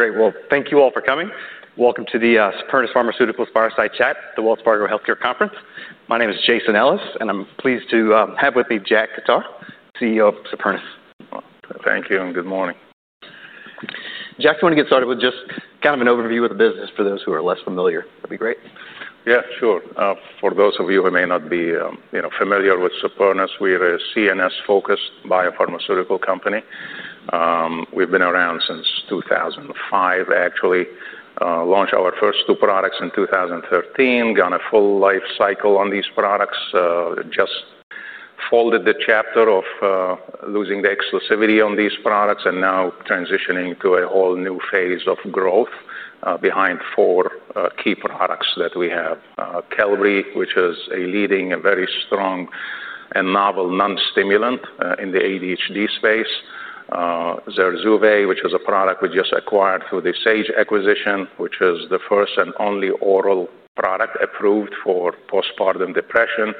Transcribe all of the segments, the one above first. ... Great. Well, thank you all for coming. Welcome to the Supernus Pharmaceuticals Fireside Chat, the Wells Fargo Healthcare Conference. My name is Jason Ellis, and I'm pleased to have with me Jack Khattar, CEO of Supernus. Thank you, and good morning. Jack, do you want to get started with just kind of an overview of the business for those who are less familiar? That'd be great. Yeah, sure. For those of you who may not be, you know, familiar with Supernus, we're a CNS-focused biopharmaceutical company. We've been around since 2005. Actually, launched our first two products in 2013. Gone a full life cycle on these products. Just folded the chapter of losing the exclusivity on these products and now transitioning to a whole new phase of growth behind four key products that we have. Qelbree, which is a leading, a very strong and novel non-stimulant in the ADHD space. Zurzuvae, which is a product we just acquired through the Sage acquisition, which is the first and only oral product approved for postpartum depression.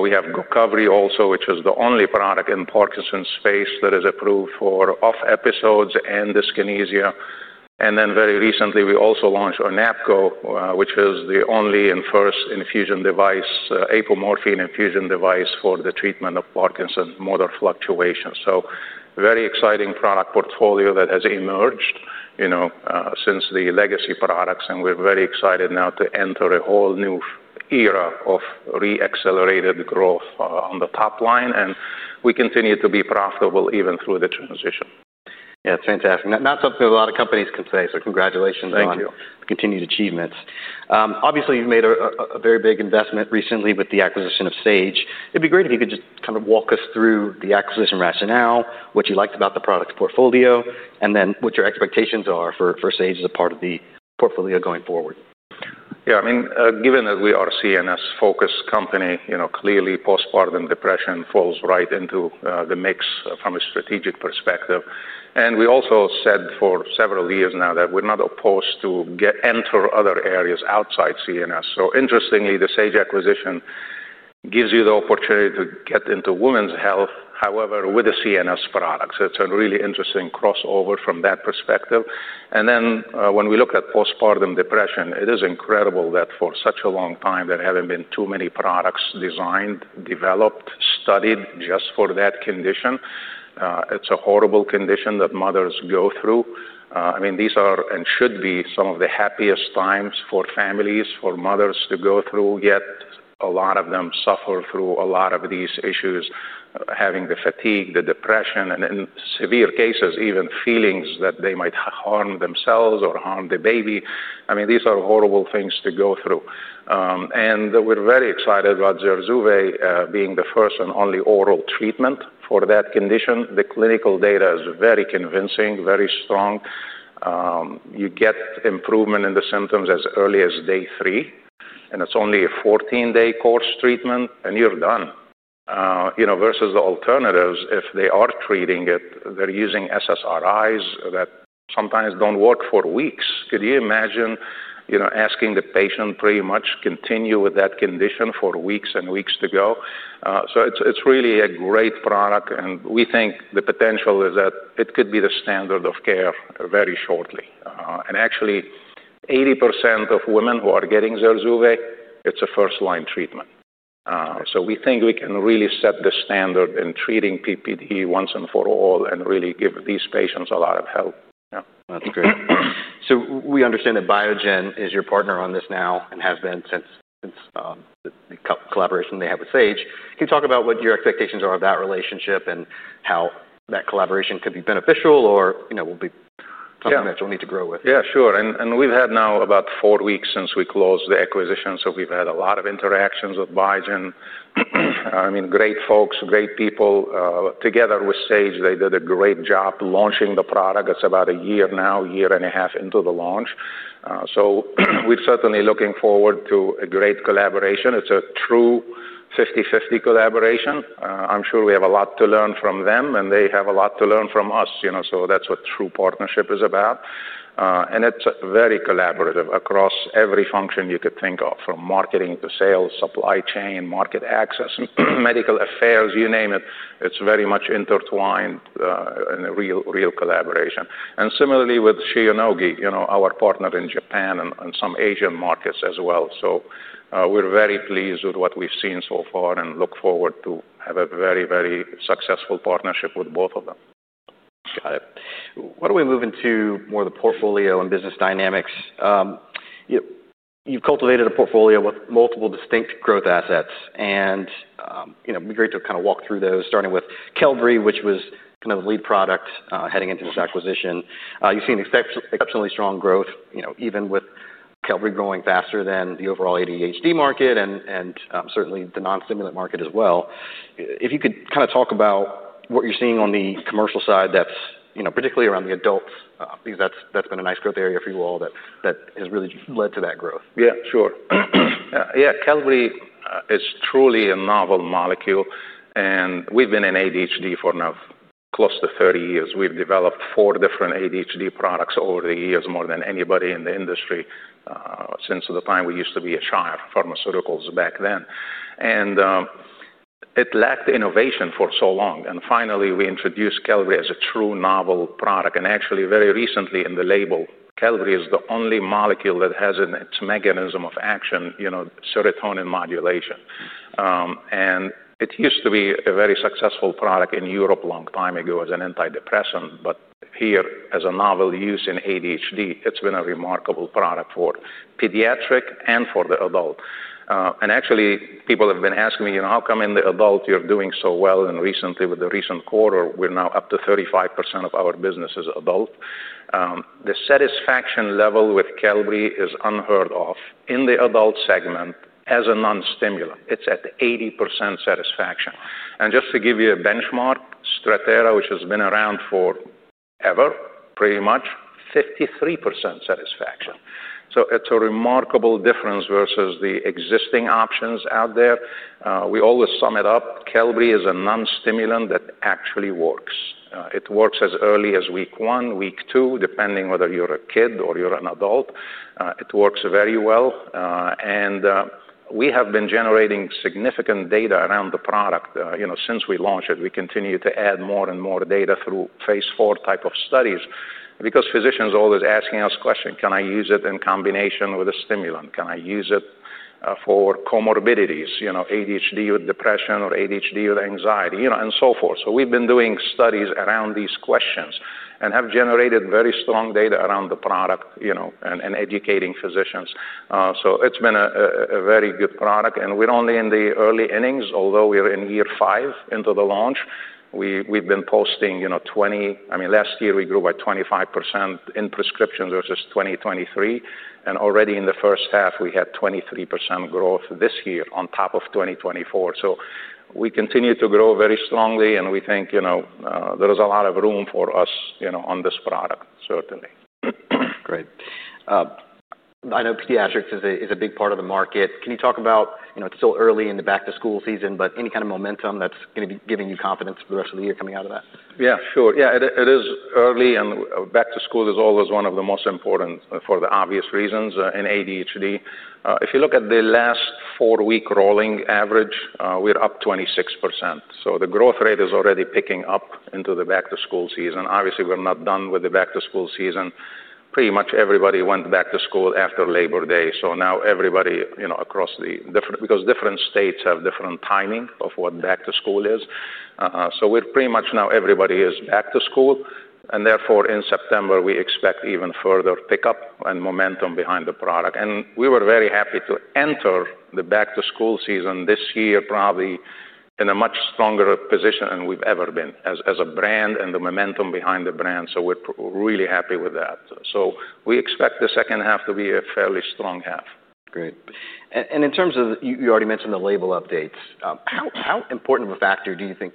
We have Gocovri also, which is the only product in the Parkinson's space that is approved for OFF episodes and dyskinesia. And then very recently, we also launched APO-go, which is the only and first infusion device, apomorphine infusion device for the treatment of Parkinson's motor fluctuation. So very exciting product portfolio that has emerged, you know, since the legacy products, and we're very excited now to enter a whole new era of re-accelerated growth, on the top line, and we continue to be profitable even through the transition. Yeah, it's fantastic. Not something a lot of companies can say, so congratulations. Thank you. On the continued achievements. Obviously, you've made a very big investment recently with the acquisition of Sage. It'd be great if you could just kind of walk us through the acquisition rationale, what you liked about the product portfolio, and then what your expectations are for Sage as a part of the portfolio going forward. Yeah, I mean, given that we are a CNS-focused company, you know, clearly postpartum depression falls right into the mix from a strategic perspective. And we also said for several years now that we're not opposed to enter other areas outside CNS. So interestingly, the Sage acquisition gives you the opportunity to get into women's health, however, with the CNS products. It's a really interesting crossover from that perspective. And then, when we look at postpartum depression, it is incredible that for such a long time, there haven't been too many products designed, developed, studied just for that condition. It's a horrible condition that mothers go through. I mean, these are and should be some of the happiest times for families, for mothers to go through, yet a lot of them suffer through a lot of these issues, having the fatigue, the depression, and in severe cases, even feelings that they might harm themselves or harm the baby. I mean, these are horrible things to go through. We're very excited about Zurzuvae, being the first and only oral treatment for that condition. The clinical data is very convincing, very strong. You get improvement in the symptoms as early as day three, and it's only a fourteen-day course treatment, and you're done. You know, versus the alternatives, if they are treating it, they're using SSRIs that sometimes don't work for weeks. Could you imagine, you know, asking the patient pretty much continue with that condition for weeks and weeks to go? It's really a great product, and we think the potential is that it could be the standard of care very shortly. Actually, 80% of women who are getting Zurzuvae, it's a first-line treatment. We think we can really set the standard in treating PPD once and for all and really give these patients a lot of help. Yeah, that's great. So we understand that Biogen is your partner on this now and has been since the co-collaboration they have with Sage. Can you talk about what your expectations are of that relationship and how that collaboration could be beneficial or, you know, will be- Yeah. Something that you'll need to grow with? Yeah, sure. And we've had now about four weeks since we closed the acquisition, so we've had a lot of interactions with Biogen. I mean, great folks, great people. Together with Sage, they did a great job launching the product. It's about a year now, a year and a half into the launch. So we're certainly looking forward to a great collaboration. It's a true fifty-fifty collaboration. I'm sure we have a lot to learn from them, and they have a lot to learn from us, you know, so that's what true partnership is about. And it's very collaborative across every function you could think of, from marketing to sales, supply chain, market access, medical affairs, you name it. It's very much intertwined, and a real, real collaboration. And similarly, with Shionogi, you know, our partner in Japan and some Asian markets as well. So, we're very pleased with what we've seen so far and look forward to have a very, very successful partnership with both of them. Got it. Why don't we move into more of the portfolio and business dynamics? You've cultivated a portfolio with multiple distinct growth assets and, you know, it'd be great to kind of walk through those, starting with Qelbree, which was kind of the lead product, heading into this acquisition. You've seen exceptionally strong growth, you know, even with Qelbree growing faster than the overall ADHD market and certainly the non-stimulant market as well. If you could kind of talk about what you're seeing on the commercial side, that's, you know, particularly around the adults, because that's been a nice growth area for you all that has really led to that growth. Yeah, sure. Yeah, Qelbree is truly a novel molecule, and we've been in ADHD for now close to thirty years. We've developed four different ADHD products over the years, more than anybody in the industry since the time we used to be at Shire Pharmaceuticals back then, and it lacked innovation for so long, and finally, we introduced Qelbree as a true novel product, and actually, very recently in the label, Qelbree is the only molecule that has in its mechanism of action, you know, serotonin modulation, and it used to be a very successful product in Europe a long time ago as an antidepressant, but here, as a novel use in ADHD, it's been a remarkable product for pediatric and for the adult. And actually, people have been asking me, you know, "How come in the adult you're doing so well?" And recently, with the recent quarter, we're now up to 35% of our business is adult. The satisfaction level with Qelbree is unheard of in the adult segment as a non-stimulant. It's at 80% satisfaction. And just to give you a benchmark, Strattera, which has been around forever, pretty much, 53% satisfaction. So it's a remarkable difference versus the existing options out there. We always sum it up, Qelbree is a non-stimulant that actually works. It works as early as week one, week two, depending whether you're a kid or you're an adult. It works very well, and we have been generating significant data around the product. You know, since we launched it, we continue to add more and more data through phase IV type of studies. Because physicians are always asking us question, "Can I use it in combination with a stimulant? Can I use it for comorbidities, you know, ADHD with depression or ADHD with anxiety?" You know, and so forth. So we've been doing studies around these questions and have generated very strong data around the product, you know, and educating physicians. So it's been a very good product, and we're only in the early innings, although we are in year five into the launch. We've been posting, you know, twenty. I mean, last year we grew by 25% in prescriptions versus 2023, and already in the first half, we had 23% growth this year on top of 2024. So we continue to grow very strongly, and we think, you know, there is a lot of room for us, you know, on this product, certainly. Great. I know pediatrics is a big part of the market. Can you talk about, you know, it's still early in the back-to-school season, but any kind of momentum that's gonna be giving you confidence for the rest of the year coming out of that? Yeah, sure. Yeah, it is early, and back to school is always one of the most important, for the obvious reasons, in ADHD. If you look at the last four-week rolling average, we're up 26%, so the growth rate is already picking up into the back-to-school season. Obviously, we're not done with the back-to-school season. Pretty much everybody went back to school after Labor Day, so now everybody, you know, across the different, because different states have different timing of when back to school is. So we're pretty much now everybody is back to school, and therefore, in September, we expect even further pickup and momentum behind the product. We were very happy to enter the back-to-school season this year, probably in a much stronger position than we've ever been as a brand and the momentum behind the brand. So we're really happy with that. So we expect the second half to be a fairly strong half. Great. And in terms of, you already mentioned the label updates. How important of a factor do you think,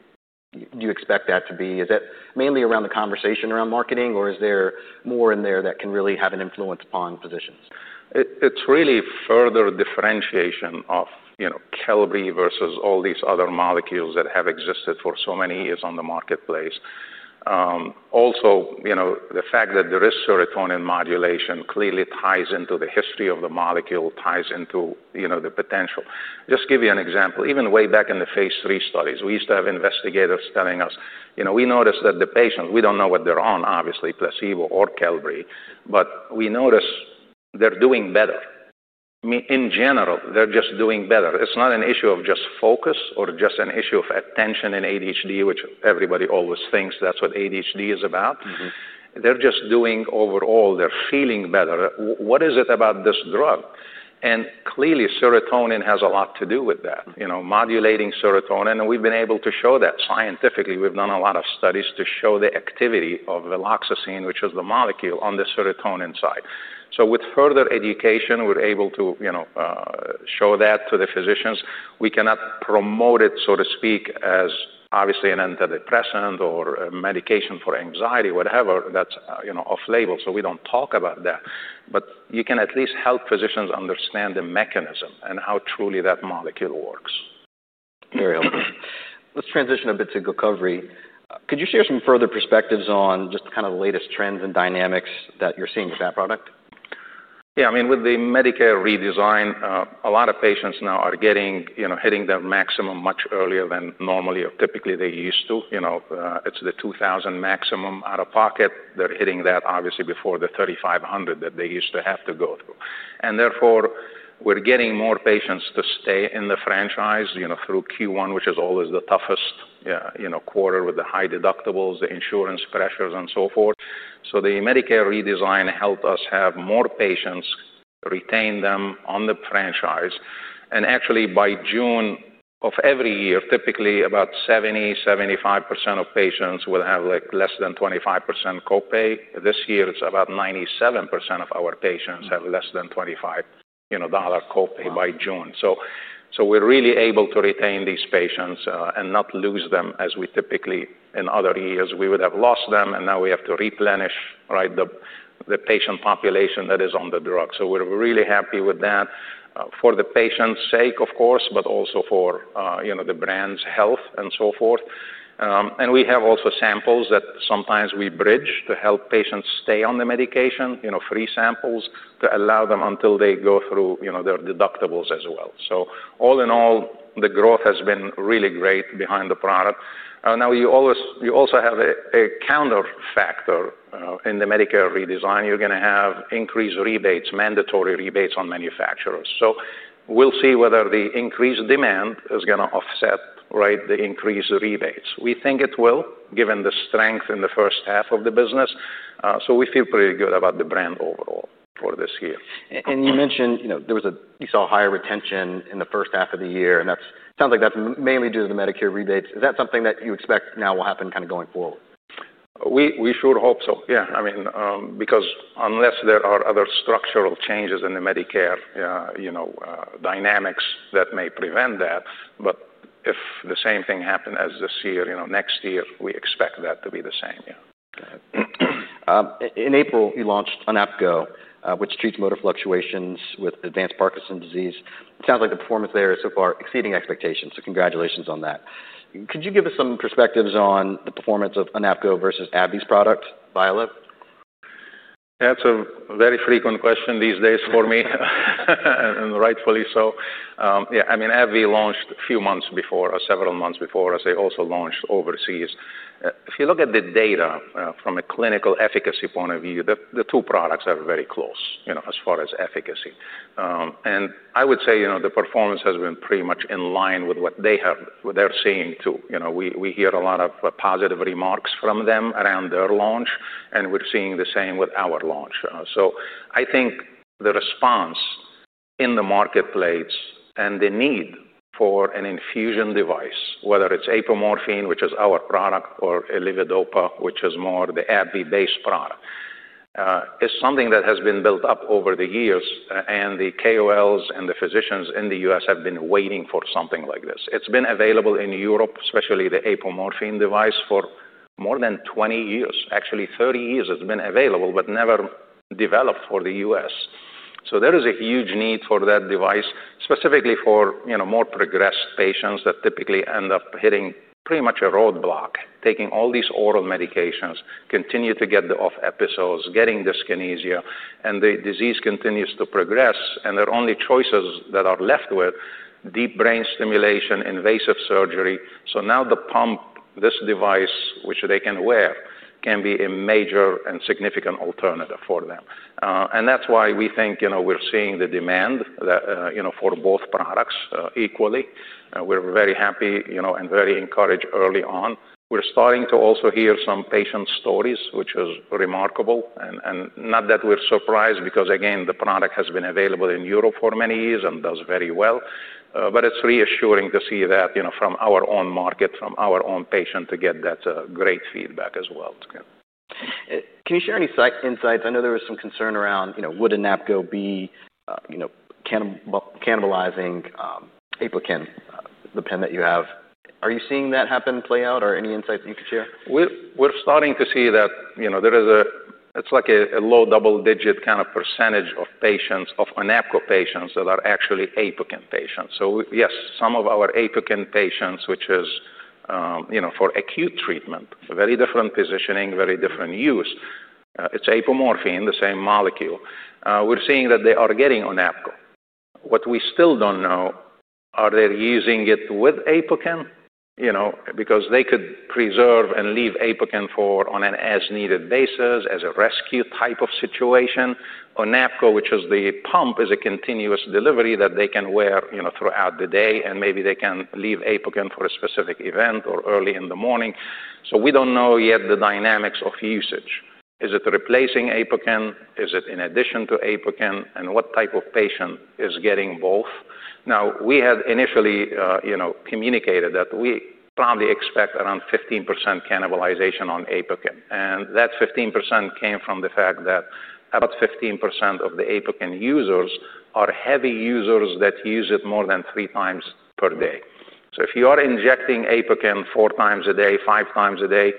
do you expect that to be? Is that mainly around the conversation around marketing, or is there more in there that can really have an influence on physicians? It's really further differentiation of, you know, Qelbree versus all these other molecules that have existed for so many years on the marketplace. Also, you know, the fact that there is serotonin modulation clearly ties into the history of the molecule, ties into, you know, the potential. Just give you an example, even way back in the phase III studies, we used to have investigators telling us: "You know, we noticed that the patients, we don't know what they're on, obviously, placebo or Qelbree, but we notice they're doing better. I mean, in general, they're just doing better. It's not an issue of just focus or just an issue of attention and ADHD," which everybody always thinks that's what ADHD is about. They're just doing... overall, they're feeling better. What is it about this drug?" and clearly, serotonin has a lot to do with that. You know, modulating serotonin, and we've been able to show that scientifically. We've done a lot of studies to show the activity of viloxazine, which is the molecule, on the serotonin side. So with further education, we're able to, you know, show that to the physicians. We cannot promote it, so to speak, as obviously an antidepressant or a medication for anxiety, whatever. That's, you know, off-label, so we don't talk about that. But you can at least help physicians understand the mechanism and how truly that molecule works. Very helpful. Let's transition a bit to SPN-830. Could you share some further perspectives on just kind of the latest trends and dynamics that you're seeing with that product? Yeah, I mean, with the Medicare redesign, a lot of patients now are getting, you know, hitting their maximum much earlier than normally or typically they used to. You know, it's the $2,000 maximum out-of-pocket. They're hitting that, obviously, before the $3,500 that they used to have to go through. And therefore, we're getting more patients to stay in the franchise, you know, through Q1, which is always the toughest, you know, quarter with the high deductibles, the insurance pressures, and so forth. So the Medicare redesign helped us have more patients, retain them on the franchise, and actually, by June of every year, typically about 70%-75% of patients will have, like, less than 25% co-pay. This year, it's about 97% of our patients-... have less than $25, you know, co-pay- Wow By June. So we're really able to retain these patients and not lose them as we typically, in other years, we would have lost them, and now we have to replenish, right, the patient population that is on the drug. So we're really happy with that. For the patient's sake, of course, but also for, you know, the brand's health and so forth. And we have also samples that sometimes we bridge to help patients stay on the medication, you know, free samples, to allow them until they go through, you know, their deductibles as well. So all in all, the growth has been really great behind the product. Now, you always you also have a counter factor in the Medicare redesign. You're gonna have increased rebates, mandatory rebates on manufacturers. So we'll see whether the increased demand is gonna offset, right, the increased rebates. We think it will, given the strength in the first half of the business. So we feel pretty good about the brand overall for this year. You mentioned, you know, there was higher retention in the first half of the year, and that's... Sounds like that's mainly due to the Medicare rebates. Is that something that you expect now will happen kinda going forward? We sure hope so. Yeah. I mean, because unless there are other structural changes in the Medicare, you know, dynamics that may prevent that, but if the same thing happened as this year, you know, next year, we expect that to be the same, yeah. In April, you launched Gocovri, which treats motor fluctuations with advanced Parkinson's disease. Sounds like the performance there is so far exceeding expectations, so congratulations on that. Could you give us some perspectives on the performance of Gocovri versus AbbVie's product, Vyalev? That's a very frequent question these days for me, and rightfully so. Yeah, I mean, AbbVie launched a few months before, or several months before, as they also launched overseas. If you look at the data, from a clinical efficacy point of view, the two products are very close, you know, as far as efficacy. And I would say, you know, the performance has been pretty much in line with what they're seeing, too. You know, we hear a lot of positive remarks from them around their launch, and we're seeing the same with our launch. So I think the response in the marketplace and the need for an infusion device, whether it's apomorphine, which is our product, or levodopa, which is more the AbbVie-based product, is something that has been built up over the years, and the KOLs and the physicians in the U.S. have been waiting for something like this. It's been available in Europe, especially the apomorphine device, for more than 20 years. Actually, 30 years it's been available, but never developed for the U.S. So there is a huge need for that device, specifically for, you know, more progressed patients that typically end up hitting pretty much a roadblock, taking all these oral medications, continue to get the OFF episodes, getting dyskinesia, and the disease continues to progress, and their only choices that are left with: deep brain stimulation, invasive surgery. So now the pump, this device, which they can wear, can be a major and significant alternative for them. And that's why we think, you know, we're seeing the demand that, you know, for both products, equally. We're very happy, you know, and very encouraged early on. We're starting to also hear some patient stories, which is remarkable, and not that we're surprised because, again, the product has been available in Europe for many years and does very well. But it's reassuring to see that, you know, from our own market, from our own patient, to get that great feedback as well. Okay. Can you share any insights? I know there was some concern around, you know, would Kynmobi be, you know, cannibalizing Apokyn, the pen that you have. Are you seeing that happen, play out, or any insights you could share? We're starting to see that, you know, there is a low double-digit kind of percentage of patients, of Vyalev patients, that are actually Apokyn patients. So yes, some of our Apokyn patients, which is, you know, for acute treatment, very different positioning, very different use. It's apomorphine, the same molecule. We're seeing that they are getting Vyalev. What we still don't know, are they using it with Apokyn? You know, because they could preserve and leave Apokyn for on an as-needed basis, as a rescue type of situation. Vyalev, which is the pump, is a continuous delivery that they can wear, you know, throughout the day, and maybe they can leave Apokyn for a specific event or early in the morning. So we don't know yet the dynamics of usage. Is it replacing Apokyn? Is it in addition to Apokyn, and what type of patient is getting both? Now, we had initially, you know, communicated that we probably expect around 15% cannibalization on Apokyn, and that 15% came from the fact that about 15% of the Apokyn users are heavy users that use it more than three times per day. So if you are injecting Apokyn four times a day, five times a day,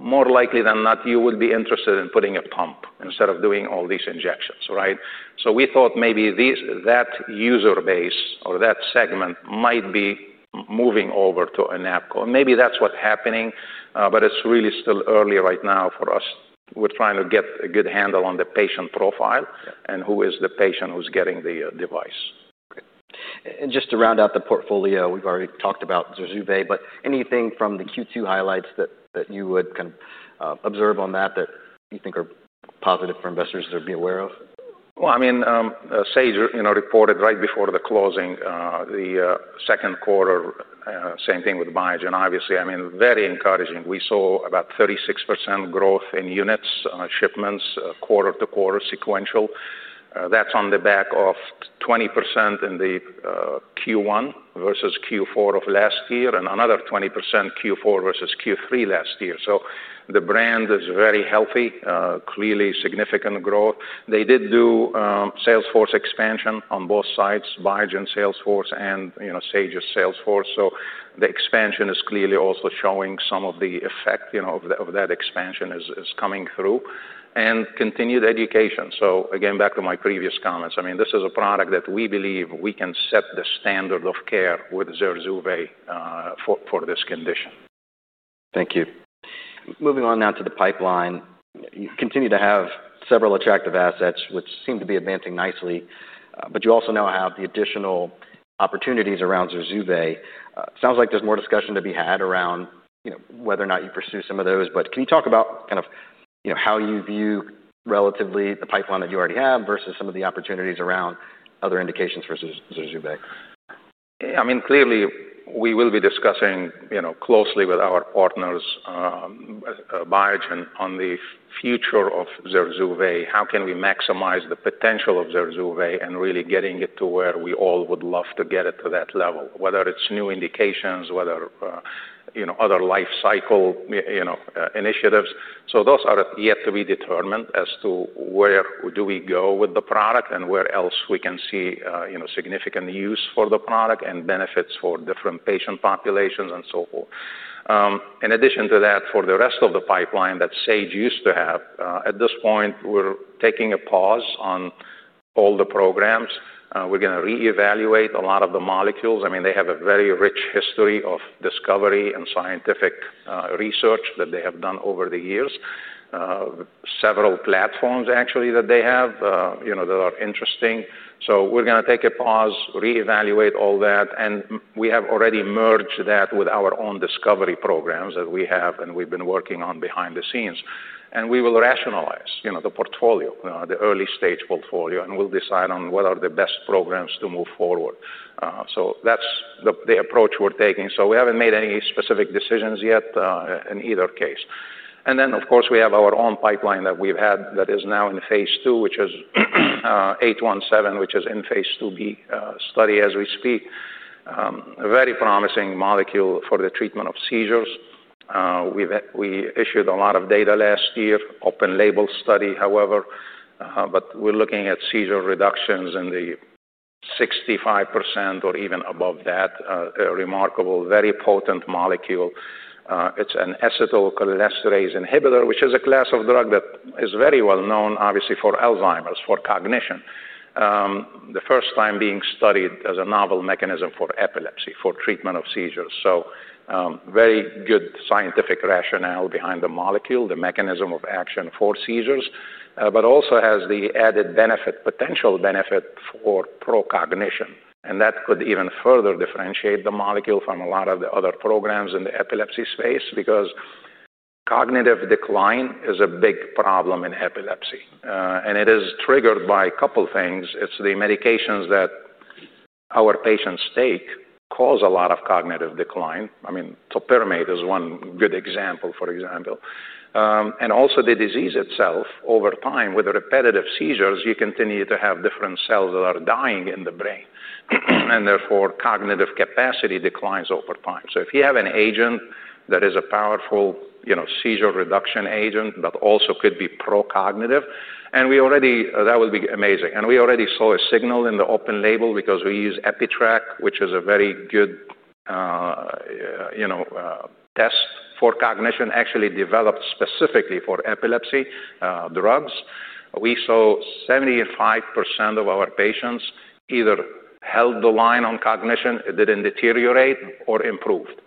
more likely than not, you would be interested in putting a pump instead of doing all these injections, right? So we thought maybe that user base or that segment might be moving over to Vyalev. Maybe that's what's happening, but it's really still early right now for us. We're trying to get a good handle on the patient profile- Yeah... and who is the patient who's getting the device? Okay. And just to round out the portfolio, we've already talked about Zurzuvae, but anything from the Q2 highlights that you would kind of observe on that you think are positive for investors to be aware of? I mean, Sage, you know, reported right before the closing, the second quarter, same thing with Biogen, obviously. I mean, very encouraging. We saw about 36% growth in units, shipments, quarter to quarter, sequential. That's on the back of 20% in the Q1 versus Q4 of last year, and another 20% Q4 versus Q3 last year. So the brand is very healthy, clearly significant growth. They did do sales force expansion on both sides, Biogen sales force and, you know, Sage's sales force. So the expansion is clearly also showing some of the effect, you know, of that expansion is coming through and continued education. Again, back to my previous comments, I mean, this is a product that we believe we can set the standard of care with Zurzuvae for this condition. Thank you. Moving on now to the pipeline, you continue to have several attractive assets which seem to be advancing nicely, but you also now have the additional opportunities around Zurzuvae. Sounds like there's more discussion to be had around, you know, whether or not you pursue some of those, but can you talk about kind of, you know, how you view relatively the pipeline that you already have versus some of the opportunities around other indications for Zurzuvae? I mean, clearly, we will be discussing, you know, closely with our partners, Biogen, on the future of Zurzuvae. How can we maximize the potential of Zurzuvae and really getting it to where we all would love to get it to that level? Whether it's new indications, whether, you know, other life cycle, you know, initiatives. So those are yet to be determined as to where do we go with the product and where else we can see, you know, significant use for the product and benefits for different patient populations and so forth. In addition to that, for the rest of the pipeline that Sage used to have, at this point, we're taking a pause on all the programs. We're gonna reevaluate a lot of the molecules. I mean, they have a very rich history of discovery and scientific research that they have done over the years. Several platforms, actually, that they have, you know, that are interesting, so we're gonna take a pause, reevaluate all that, and we have already merged that with our own discovery programs that we have and we've been working on behind the scenes, and we will rationalize, you know, the portfolio, the early-stage portfolio, and we'll decide on what are the best programs to move forward, so that's the approach we're taking. We haven't made any specific decisions yet in either case, and then, of course, we have our own pipeline that we've had that is now in phase II, which is SPN-817, which is in phase IIb study as we speak. A very promising molecule for the treatment of seizures. We've issued a lot of data last year, open-label study, however, but we're looking at seizure reductions in the 65% or even above that. A remarkable, very potent molecule. It's an acetylcholinesterase inhibitor, which is a class of drug that is very well known, obviously, for Alzheimer's, for cognition. The first time being studied as a novel mechanism for epilepsy, for treatment of seizures, so, very good scientific rationale behind the molecule, the mechanism of action for seizures, but also has the added benefit, potential benefit for procognitive, and that could even further differentiate the molecule from a lot of the other programs in the epilepsy space, because cognitive decline is a big problem in epilepsy, and it is triggered by a couple things. It's the medications that our patients take cause a lot of cognitive decline. I mean, topiramate is one good example, for example. And also the disease itself, over time, with repetitive seizures, you continue to have different cells that are dying in the brain, and therefore, cognitive capacity declines over time. So if you have an agent that is a powerful, you know, seizure reduction agent, but also could be procognitive, and we already... That would be amazing. And we already saw a signal in the open label because we use EpiTrack, which is a very good, you know, test for cognition, actually developed specifically for epilepsy drugs. We saw 75% of our patients either held the line on cognition, it didn't deteriorate or improved.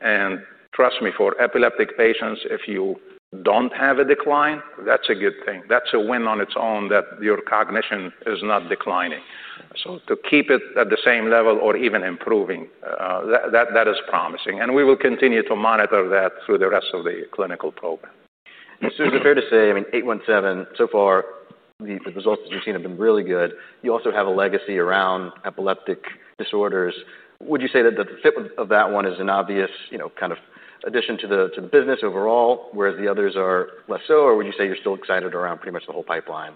And trust me, for epileptic patients, if you don't have a decline, that's a good thing. That's a win on its own, that your cognition is not declining. So to keep it at the same level or even improving, that is promising, and we will continue to monitor that through the rest of the clinical program. So is it fair to say, I mean, SPN-817, so far, the results that we've seen have been really good. You also have a legacy around epileptic disorders. Would you say that the fit of that one is an obvious, you know, kind of addition to the business overall, whereas the others are less so, or would you say you're still excited around pretty much the whole pipeline?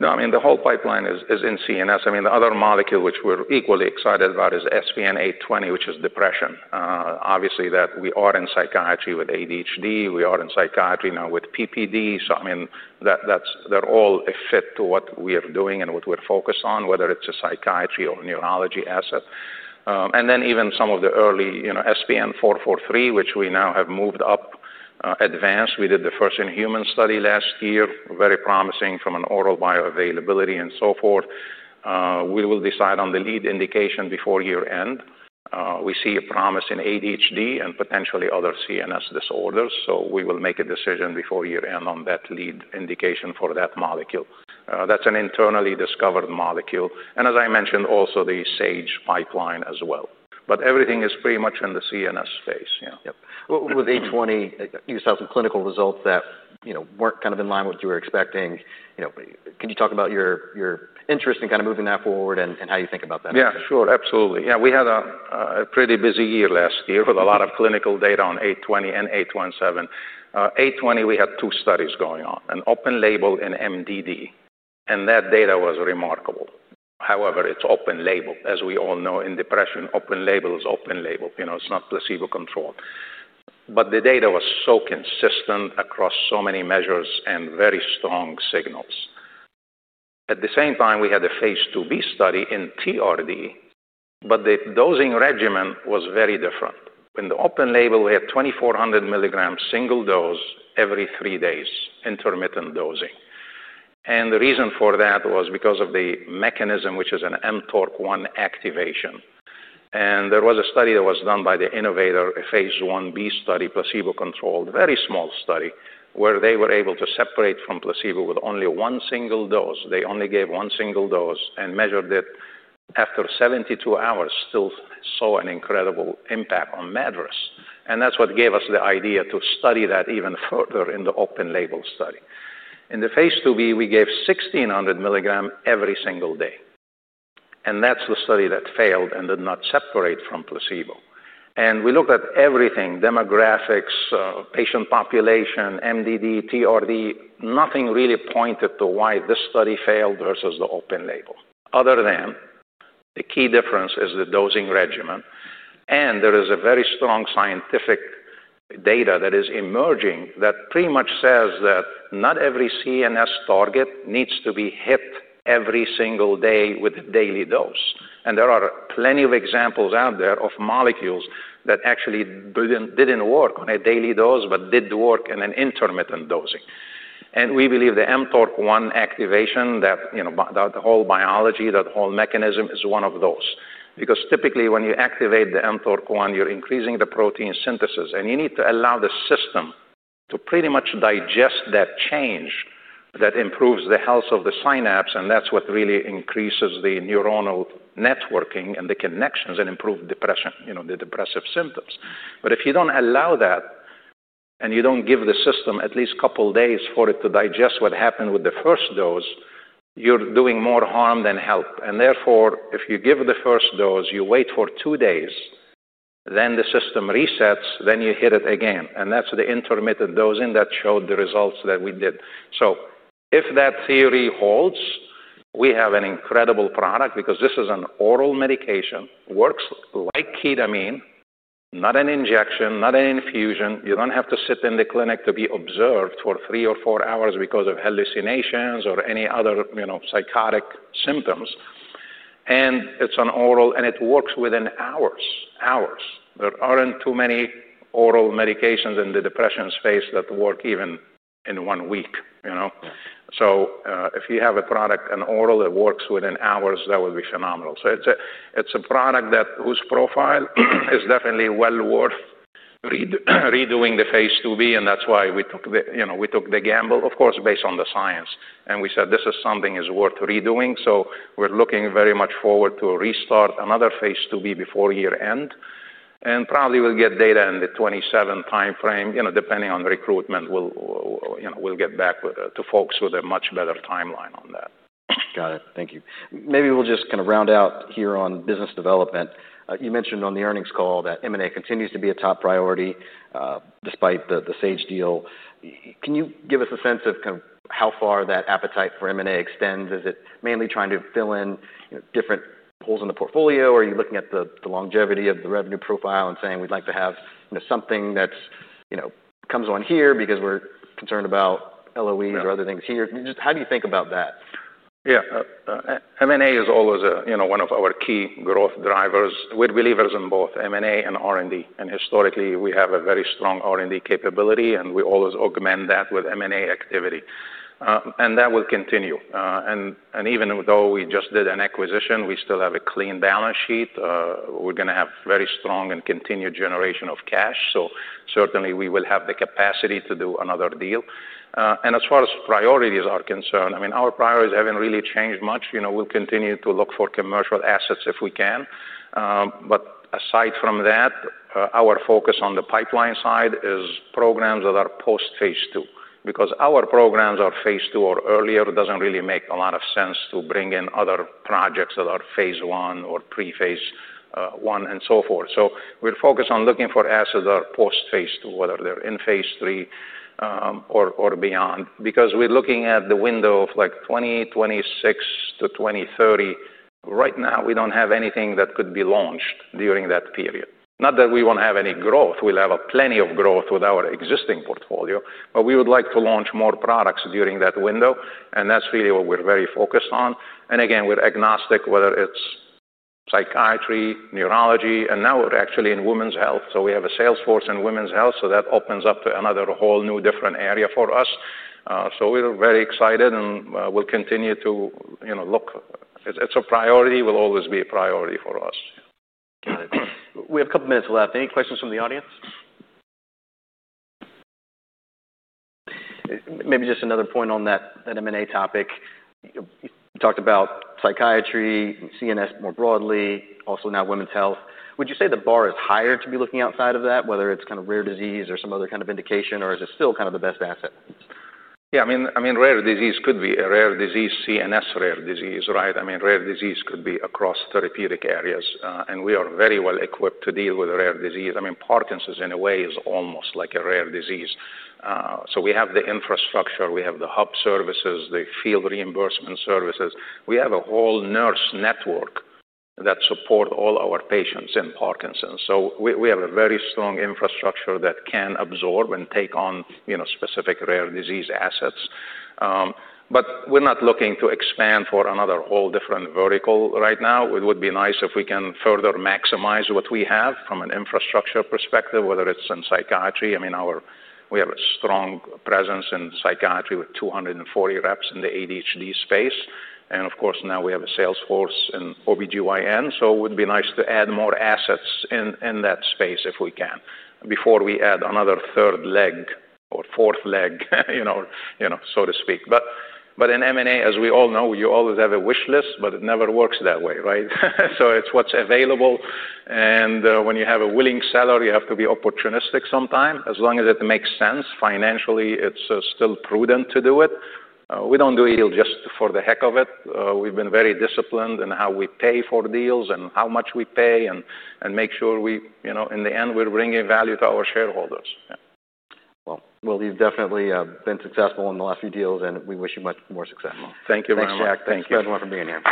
No, I mean, the whole pipeline is in CNS. I mean, the other molecule, which we're equally excited about, is SPN-820, which is depression. Obviously, that we are in psychiatry with ADHD, we are in psychiatry now with PPD. So, I mean, that's... They're all a fit to what we are doing and what we're focused on, whether it's a psychiatry or neurology asset. And then even some of the early, you know, SPN-443, which we now have moved up, advanced. We did the first-in-human study last year, very promising from an oral bioavailability and so forth. We will decide on the lead indication before year-end. We see a promise in ADHD and potentially other CNS disorders, so we will make a decision before year-end on that lead indication for that molecule. That's an internally discovered molecule, and as I mentioned, also the Sage pipeline as well. But everything is pretty much in the CNS space. Yep. With SPN-820, you saw some clinical results that, you know, weren't kind of in line with what you were expecting. You know, can you talk about your interest in kind of moving that forward and how you think about that? Yeah, sure. Absolutely. Yeah, we had a pretty busy year last year with a lot of clinical data on SPN-820 and SPN-817. SPN-820, we had two studies going on, an open label in MDD, and that data was remarkable. However, it's open label. As we all know, in depression, open label is open label. You know, it's not placebo-controlled. But the data was so consistent across so many measures and very strong signals. At the same time, we had a phase IIb study in TRD, but the dosing regimen was very different. In the open label, we had 2,400 milligrams single dose every three days, intermittent dosing, and the reason for that was because of the mechanism, which is an mTORC1 activation. There was a study that was done by the innovator, a phase 1b study, placebo-controlled, very small study, where they were able to separate from placebo with only one single dose. They only gave one single dose and measured it after seventy-two hours, still saw an incredible impact on MADRS. That's what gave us the idea to study that even further in the open-label study. In the phase 2b, we gave sixteen hundred milligrams every single day, and that's the study that failed and did not separate from placebo. We looked at everything, demographics, patient population, MDD, TRD. Nothing really pointed to why this study failed versus the open label, other than the key difference is the dosing regimen. There is a very strong scientific data that is emerging that pretty much says that not every CNS target needs to be hit every single day with a daily dose. There are plenty of examples out there of molecules that actually didn't work on a daily dose but did work in an intermittent dosing. We believe the mTORC1 activation, that, you know, that whole biology, that whole mechanism, is one of those. Because typically, when you activate the mTORC1, you're increasing the protein synthesis, and you need to allow the system to pretty much digest that change that improves the health of the synapse, and that's what really increases the neuronal networking and the connections and improve depression, you know, the depressive symptoms. But if you don't allow that, and you don't give the system at least a couple of days for it to digest what happened with the first dose, you're doing more harm than help. And therefore, if you give the first dose, you wait for two days, then the system resets, then you hit it again, and that's the intermittent dosing that showed the results that we did. So if that theory holds, we have an incredible product because this is an oral medication, works like ketamine, not an injection, not an infusion. You don't have to sit in the clinic to be observed for three or four hours because of hallucinations or any other, you know, psychotic symptoms. And it's an oral, and it works within hours. Hours. There aren't too many oral medications in the depression space that work even in one week, you know? Yeah. If you have a product, an oral that works within hours, that would be phenomenal. It's a product that, whose profile is definitely well worth redoing the phase IIb, and that's why we took the gamble, you know, of course, based on the science, and we said, "This is something is worth redoing." We're looking very much forward to restart another phase IIb before year-end. Probably we'll get data in the 2027 timeframe, you know, depending on recruitment, we'll get back to folks with a much better timeline on that. Got it. Thank you. Maybe we'll just kind of round out here on business development. You mentioned on the earnings call that M&A continues to be a top priority, despite the Sage deal. Can you give us a sense of kind of how far that appetite for M&A extends? Is it mainly trying to fill in, you know, different holes in the portfolio, or are you looking at the longevity of the revenue profile and saying, "We'd like to have, you know, something that's, you know, comes on here because we're concerned about LOE- Yeah Or other things here?" Just how do you think about that? Yeah. M&A is always a, you know, one of our key growth drivers. We believe in both M&A and R&D, and historically, we have a very strong R&D capability, and we always augment that with M&A activity. And that will continue. And even though we just did an acquisition, we still have a clean balance sheet. We're gonna have very strong and continued generation of cash, so certainly, we will have the capacity to do another deal. And as far as priorities are concerned, I mean, our priorities haven't really changed much. You know, we'll continue to look for commercial assets if we can. But aside from that, our focus on the pipeline side is programs that are post-phase II. Because our programs are phase II or earlier, it doesn't really make a lot of sense to bring in other projects that are phase I or pre-phase I, and so forth. So we're focused on looking for assets that are post-phase II, whether they're in phase III, or beyond, because we're looking at the window of like 2026 to 2030. Right now, we don't have anything that could be launched during that period. Not that we won't have any growth, we'll have plenty of growth with our existing portfolio, but we would like to launch more products during that window, and that's really what we're very focused on. And again, we're agnostic, whether it's psychiatry, neurology, and now we're actually in women's health. So we have a sales force in women's health, so that opens up another whole new, different area for us. So we're very excited and we'll continue to, you know, look. It's a priority, will always be a priority for us. Got it. We have a couple of minutes left. Any questions from the audience? Maybe just another point on that, that M&A topic. You talked about psychiatry, CNS more broadly, also now women's health. Would you say the bar is higher to be looking outside of that, whether it's kind of rare disease or some other kind of indication, or is it still kind of the best asset? Yeah, I mean, rare disease could be a rare disease, CNS rare disease, right? I mean, rare disease could be across therapeutic areas, and we are very well equipped to deal with a rare disease. I mean, Parkinson's, in a way, is almost like a rare disease. So we have the infrastructure, we have the hub services, the field reimbursement services. We have a whole nurse network that support all our patients in Parkinson's. So we have a very strong infrastructure that can absorb and take on, you know, specific rare disease assets. But we're not looking to expand for another whole different vertical right now. It would be nice if we can further maximize what we have from an infrastructure perspective, whether it's in psychiatry. I mean, we have a strong presence in psychiatry with two hundred and forty reps in the ADHD space, and of course, now we have a sales force in OB/GYN, so it would be nice to add more assets in that space if we can, before we add another third leg or fourth leg, you know, so to speak. But in M&A, as we all know, you always have a wish list, but it never works that way, right? So it's what's available, and when you have a willing seller, you have to be opportunistic sometime. As long as it makes sense financially, it's still prudent to do it. We don't do a deal just for the heck of it. We've been very disciplined in how we pay for deals and how much we pay, and make sure we, you know, in the end, we're bringing value to our shareholders. Yeah. You've definitely been successful in the last few deals, and we wish you much more success. Thank you very much. Thanks, Jack. Thank you. Thanks very much for being here.